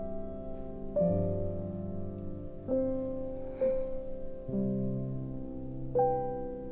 うん。